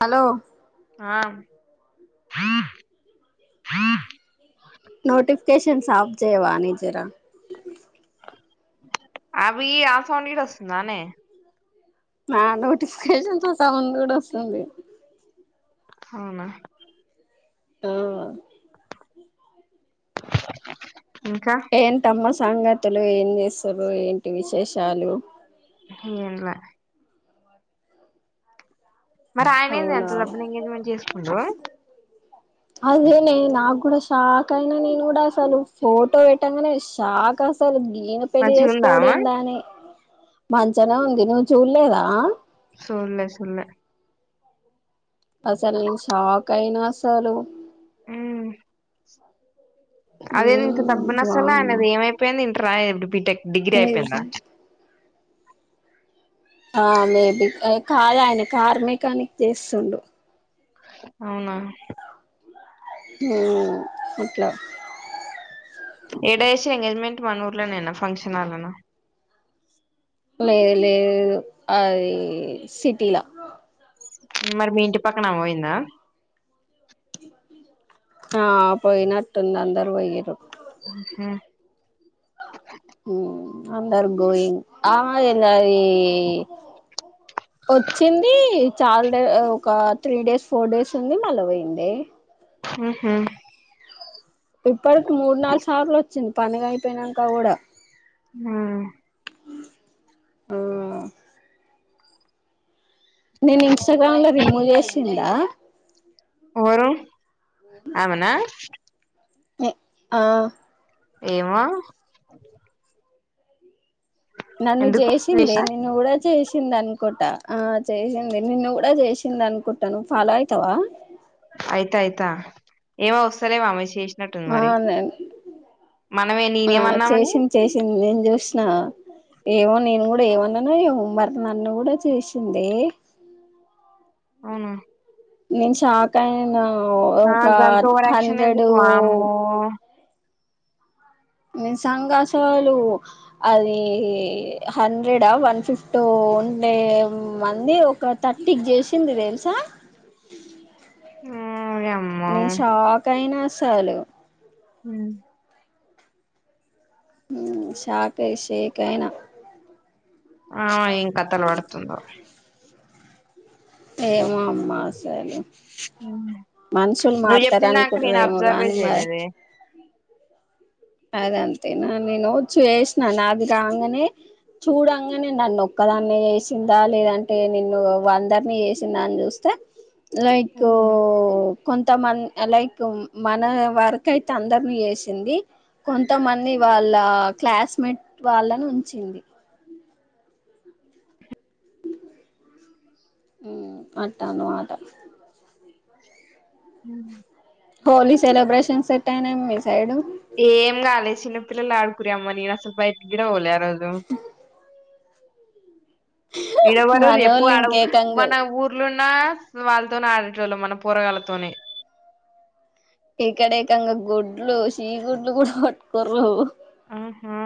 Hello ఆ కేషన్స్ ఆప్ చేయవా నిజరా అవి ఆసం వస్తుందానే నా నోటిఫికేషన్ తో సమన్ కూడా వస్తుంది అవునా ఆ ఇంకా ఏన్ తమ్మస్ సంగతులు ఏం చేస్తారు ఏంటి విశేషాలు ఏంలా మరి ఆయన ఏంది ఎంత అవునా డబ్బుని ఎంగేజ్మెంట్ చేసుకుండు న నాకు కూడా షాక్ అయినా నేను కూడా అసలు ఫోటో పెట్టాంగానే షాక్ అసలు ఈయన పెళ్లి మంచిగా ఉందా ఆమె చేసుకోవడేంద అని మంచనే ఉంది నువ్వు చూడలేదా చూడలే చూడలే అసల్ నేను షాక్ కైనాసాలు అదే ఇంత మ్మ్ డబ్బుని అసలు వామ్మో ఆయనది ఏమైపోయింది ఇంత రా ఎ బిటెక్ డిగ్రీ నిజ అయిపోయింద ఆ మేబి కా ఆయన కార్ మెకానిక్ చేస్తుండు అవునా ఉమ్ అట్లా ఏడ ఎసి ఎంగేజ్మెంట్ మనూఊర్లోనేనా ఫంక్షన్ హలోనా లేదు లేదు ఆది సిటీలా మరి మీ ఇంటి పక్కనమ పోయిందా ఆ పోయినట్టుంది అందరూ పోయిరు హమ్ ఉమ్ అందరూ గోయింగ్ ఆ ఏమ్ కాదు ఎ వచ్చింది చాలా డే ఒక త్రీ డేస్ ఫోర్ డేస్ ఉంది మళ్ళ పోయిందే ముహుమ్ ఇప్పుడ కి మూడు నాలుగు సార్లు వచ్చి చింత పండగా అయిపోయినాక కూడా ఆమ్ ఆమ్ నేను ఇన్స్టాగ్రామ్ లో రిమూవ్ చేసిందా వ్వరూ ఆవునా ఆ ఏమో నన్ను ఎందుకు చేసిందే లేషా నిను కూడా చేసిందే అన్ అనుకుంటా ఆ చేసింది నిన్ను కూడా చేసింది అనుకుంటా నువ్ ఫాలో అవుతావా అయిత అయతా ఏమ వస్తారేవామె చె ఆ నేను మనమే ఆ నేనేమన్నా ఆమెని చేసింది చేసింది నేను చూసిన ఏమో నేను కూడా ఏమన్నాన ఏమో మరి నన్ను కూడా చూసింది అవునా నేను షాక్ అయన ఆ గంత ఓవర్క్షన్ ఎందుకు వామ్మో మీ సంఘసవాలు అది హండ్రెడ్ వన్ ఫిఫ్టీ ఉండే మంది ఒక థర్టీకి చేసింది తెలుసా ఓయమ్మో నేను షాక్ అయినా సాల హ హ్మ్ షాక్ అయి షేక్ అయినా ఆ ఏం కథలు పడుతుందో ఏమ అమ్మా సలు నువ్వు చెప్పిన నాకు నేను అనుకుంటారేమో అబ్జర్వే గాని మరి చేయలేద అదంతేనా నేనుచ్చ చేసినాను అది కాగానే చూడంగానే నన్ను ఒక్కదాన్న చేసిందా లేదంటే నిన్ను అందరినీ చేసిందా అని చూస్తే లైక్ ఊ ఉమ్. కొంత మంది లైక్ మన వర్క్ అయితే అందరిని చేసింది కొంతమంది వాళ్ళ క్లాస్మేట్ వాళ్ళని ఉంచింది ఊ అట అనమాట హ హోలీ సెలబ్రేషన్స్ ఎటా అయినాం మీ సైడ్ ఏం గాాలే చిన్నపిల్లలు ఆడుకురరి అమ్మ నేను అసలు బయటకి గిడ పోల ఎడదు ఇడవరు ఎప్పు మనోళ్ళు ఆడ ఇంకేకంగా మన ఊర్లో న వాళ్ళతోనే ఆడేట వాళ్ళు మన పోరగాళ్లతోనే ఇక్కడకంగా గుడులు సి గుడులు కూడా పట్టుకోరుు ఆహా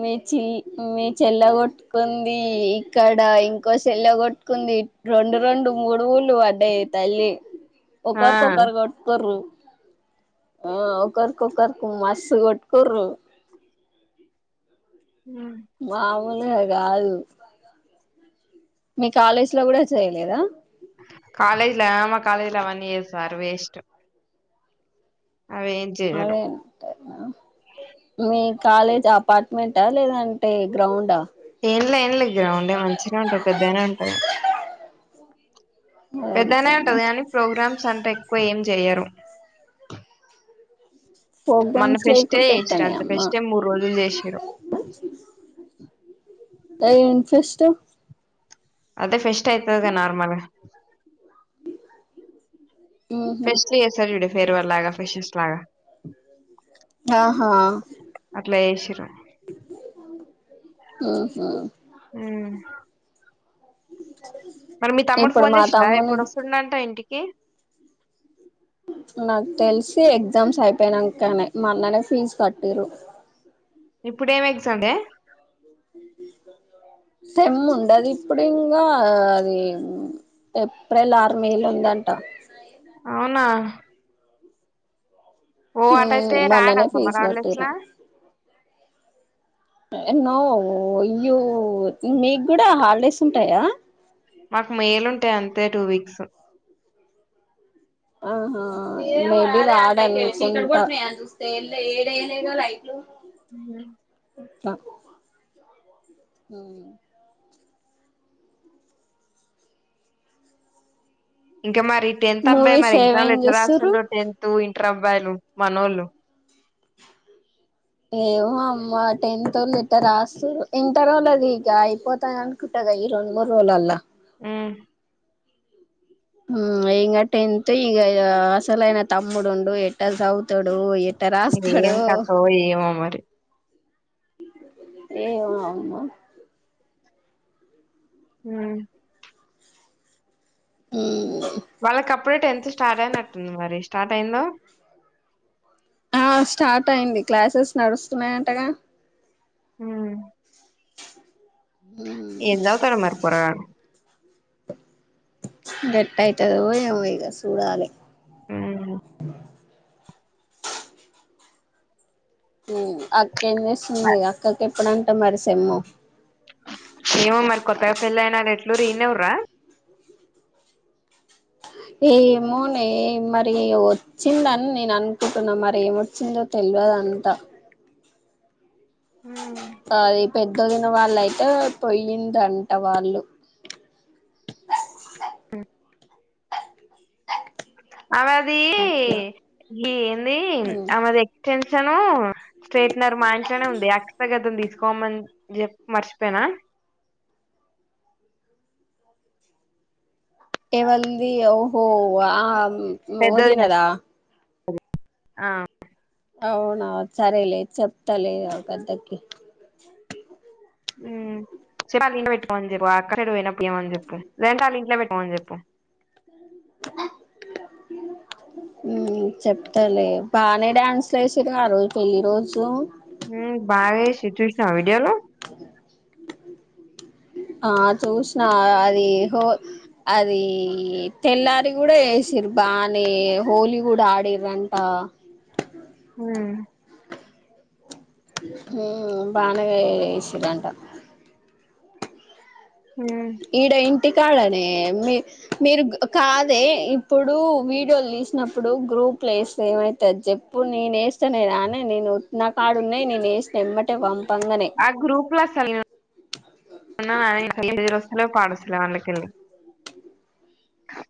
మీ చెల్ మీ చెల్ల కొట్టుకుంది ఇక్కడ ఇంకో చెల్ల కొట్టుకుంది రెండు రెండు మూడు ఊలు పడ్డాయి తల్లి ఆ ఒకరీ ఒకరు కొట్టుకోరు ఆ ఒకర్కి ఒకర్కు మస్ కొట్కోురు వావు గా కాదు మీ కాలేజ్ లో కూడా చేయలేదా కాాలేజ్ లో ఆమ కాాలేజ్ లో వన్ ఇర్ సార్ వేస్ట్ అవి ఏం చేయరు అదేంట మీ కాలేజ్ అపార్ట్మెంట్ లేదంటే గ్రౌండా ఏంలే ఏంలే గ్రౌండ్ మంచిగా ఉంటది పెద్దగానే ఉంటది పెద్దనే అదంతేనా ఉంటది కానీ ప్రోగ్రామ్ అంత ఎక్కువ ఏం చెయ్యరు మొన్న ప్రోగ్రామ్స్ ఫెస్టే లేకుంటే చేసిరు ఎట్టనే అంతే అమ్మా ఫెస్టే మూడు రోజులు చేసిరు అది ఇన్ఫెస్ట్ అదే ఫెస్ట్ తది నార్మల్ గా ఉహు ఫెస్టులు చేశారు చూడు ఫెరవల్ లాగా ఫ్రెషర్ లాగా ఆ.. హా అట్లా చేసిరు ఉ‌‌... హూమ్ ఉమ్ ఉ [unintelligible] మరి మీ తమ్ముడు ఫోన్ చేసినా ఎప్పుడు వస్తుండంట ఇంటికి ఓకె నాకు తెలిసి ఎగ్జామ్స్ అయిపోయినాకనే మొన్ననే ఫీజు కట్టిర్రూ ఇప్పుడేమి ఎగ్జామే సెమ్ ఉండది ఇప్పుడు అది ఏప్రిల్ ఆరు మే లొ ఉందంట అవునా ఓ అట్టయితే రాడా మొన్ననే సమ్మర్ ఫీజు హాలిడేస్ కట్టిరు లా న్నో ఇయ్యో మీ కూడా హాలిడేస్ ఉంటాయా మాకు మేయిలు ఉంటాయి అంతే టూ వీక్స్ ఆహా మేబి రాడానేసి ఇంక మ్ ఉమ్ మరి టెన్త్ అబ్బాయి మూవీస్ మరి ఎగ్జామ్లు ఏమేం ఎట్ల చూస్తుర్రు రాస్తుండో టెన్త్ ఇంటర్ అబ్బాయిలు మనోలు ఏమో అమ్మ టెంతోళ్ళు ఎట్ట రాస్తరు ఇంటరోళ్ళుఅది ఇక అయిపోతాది అనుకుంట గ ఈ రెండు మూడు రోజులల్లో ఉమ్ మ్ ఇంగ ఇహ టెన్త్ ఈ అసలయన తమ్ముడుండు ఎట్టా చౌతడో ఏంటో ఇది ఏం తక్కూవో ఏమో మరి ఏ అవుమా [unintelligible] మ్... హ్మ్ వాళ్ళకి అప్పుడే టెన్త్ స్టార్ట్ అయినట్టుంది మరి స్టార్ట్ అయిందా ఆ స్టార్ట్ అయింది క్లాసెస్ నడుస్తున్నాయంటగా మ్... ఏంచదువుతాడో మరి పురాణం ఎట్టఅయితదో ఏమో ఇక చూడాలి హ్మ్ మ్... అ ఏం చేసస్తుంది అక్కకి అప్పుడు మరి సెమ్ వెళ్ల్ యనా ఎట్లూరు ఇడేనా ఉన్నారా ఏమో నే మరి వచ్చిందని నేను అనుకుంటున్నా మరి ఏమొచ్చిందో తెలియదు అంతా హ పెద్దోదిన వాళ్ళయితే పయయిందంట వాళ్ళు ఆ అమెది అట్లా ఏ ఏంది అమెది ఎక్స్టెన్స్ ను స్ట్రేట్నర్ మా ఇంట్లోనే ఉంది అక్స్రా కదంది తీసుకోమని చెప్ప మర్చిపోయినా ఎవల్ది ఓహో ఆ పెద్దది ఓదినదా ఆ అవునా సరలే చెప్తలే అవద్దకి హ్మ్ చెప్పవా అక్కా నేను [unintelligible] పెట్టమని ఏం అని చెప్పలేదు అంటే వాళ్ళ ఇంట్లో పెట్టి పోన్ చెప్ప ఉమ్ చెప్తలే బానే డ్యాన్స్ ఏసిన్రుగా రోజు పెళ్లి రోజు ఉమ్ బాగా సిచూష్ విడిలో ఆ చూసిన అది హో అది తెల్లారి కూడా వేసిర బాగానే హోలీ కూడా ఆడిరంట హ ఉమ్ బాగానే ఏసినరంటా ఉమ్. ఈడైన్ ఇంటి కడ నే మీ మీరు కాదే ఇప్పుడు వీడియోలు తీసినప్పుడు గ్రూప్లు వేస్తే ఏమైతు చెప్పు నేను వేస్తానే రానే నేను నాకాడున్నాయ్ నేను వేసినట్ ఆ గ్రూప్లో అసలు నేను ఉన్న నే నేను హలో పాడశల వాళకిళ్ళి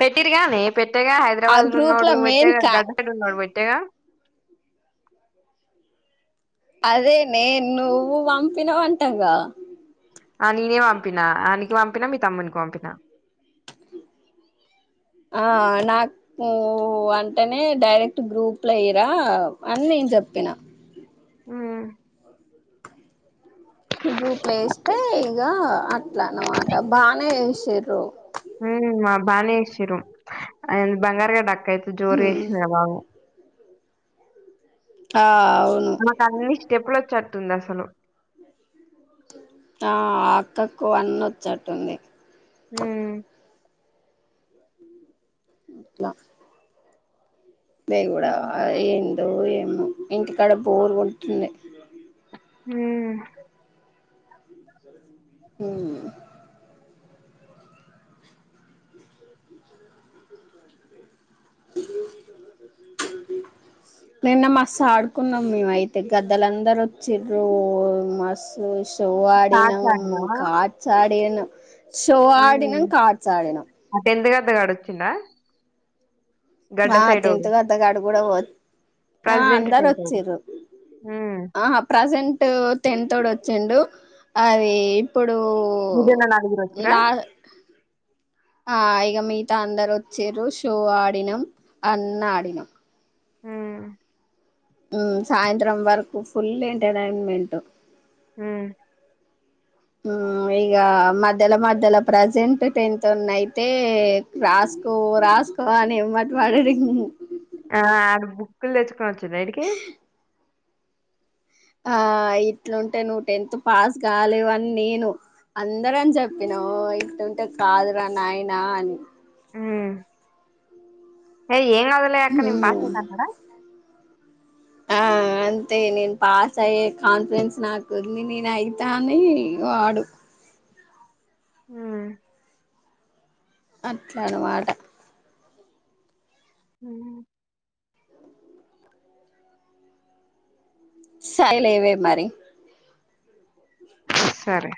పెట్టిరు గానీ పెట్టేగా ఆ హైదరాబాద్ గ్రూప్ల ఉన్నాడు మెయిన్ పెట్టేగా కా గదడ్ ఉన్నాడు పెట్టేగా అదే నేన్ నువ్వు పంపినవు అంటాగా ఆ నేనే పంపిన అనికి పంపినా మీ తమ్మునికి పంపినా ఆ నాకు అంటేనే డైరెక్ట్ గ్రూప్ లో ఏయిరా అని నేను చెప్పిన ఉమ్ గ్రూప్లో ప్లేస్తే ఇగ అట్లా అన్నమాట బానే వేశారు హ మా బాణసరు బంగారుగా డాక్ అయితే జోరుగా హ్మ్ చేసింది బాబు ఆ అవును మనకి టప్పుల వచ్చడుతుంది అసలు ఆ ఆక్కకు అన్న వచ్చేట్టుంది హమ్ ఇట్లా మేగూడా ఏం రో ఏమో ఇంటికాడ బోరుగా ఉంటుంది హమ్ అమ్ నిన్న మస్తు ఆడుకున్నాం మేము అయితే గద్దలందరు వచ్చిరు మస్తు ఇ కో కార్డ్స్ ఆడినం ఆడినావా కడ్సా ఆడినం అడేను షో ఆడినం కాడ్స్ ఆడినం చిన్న గాడు వచిన్ డా ఆ తింట కద్దగాడు కూడా ఆ ప్రెసిడెంట్ అందరు టెన్త్ ఓడు వచ్చ్ర ఉమ్ ఆ ప్రజెంట్ టెన్త్ తోడ్ వచ్చిండు అది ఇప్పుడు ఇదనాల ఆగిరు వచ్చర లా ఆ ఇగ మిగతా అందరు వచ్చారు షో ఆడినాం అన్న ఆడినాం ఆమ్ అమ్ సాయంత్రం వరకు ఫుల్ ఎంటర్టైన్మెంట్ అమ్ ఇక మధ్యలో మధ్యలో ప్రజెంట్ టెన్త్ ఉన్నా అయితే రాసుకో రాసుకో అని ఏం మాట మాడాడి ఆ ఆరు బుక్లు తెచ్చుకోవచ్చు రైడ్ డికి ఆ ఇట్లుంటే నువ్వు టెన్త్ పాస్ కాలేవ అని నేను అందరని చెప్పిన ఇట్లుంటే కాదురా నాయనా అని ఆమ్ అయ్యే ఎం కాదులే అక్క నేను పాస్ అయితా అన్నాడా ఆ అంతే నేను పాస్ అయ్యే కాన్ఫిడెన్స్ నాకు ఉంది నేను అయితాని వాడు ఆమ్ అట్లాడమాట హమ్ సయిలేవే మరి సరే